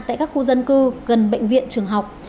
tại các khu dân cư gần bệnh viện trường học